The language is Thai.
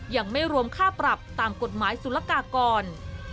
ยังไม่รวมค่าปรับตามกฎหมายสุรกากร